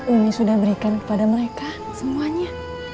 umi sudah berikan kepada mereka semuanya